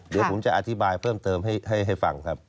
เดี๋ยวผมจะอธิบายเพิ่มเติมให้ฟังครับ